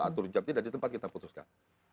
atur jam tidak di tempat kita putuskan